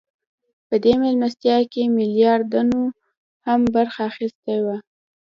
په دې مېلمستیا کې میلیاردرانو هم برخه اخیستې وه